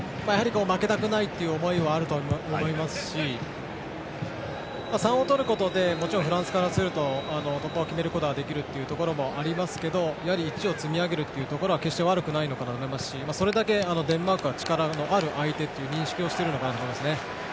負けたくないという思いはあると思いますし３をとることでもちろん、フランスからすると突破を決められるというのもありますけど１を積み上げるということは決して悪くないのかなと思いますしそれだけデンマークは力のある相手という認識をしているのかなと思いますね。